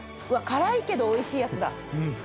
うわ辛いけどおいしいやつだ。